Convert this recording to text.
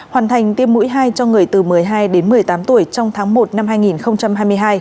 hoàn thành tiêm mũi hai cho người từ một mươi hai đến một mươi tám tuổi trong tháng một năm hai nghìn hai mươi hai